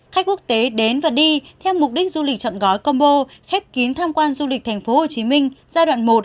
khách quốc tế đến và đi theo mục đích du lịch chọn gói combo khép kín tham quan du lịch tp hcm giai đoạn một